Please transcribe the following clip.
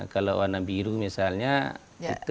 kalau warna biru misalnya itu